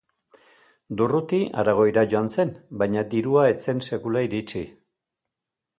Durruti Aragoira joan zen, baina dirua ez zen sekula iritsi.